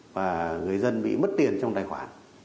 và người dân bị mất tiền trong tài khoản